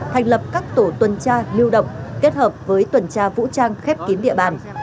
thành lập các tổ tuần tra lưu động kết hợp với tuần tra vũ trang khép kín địa bàn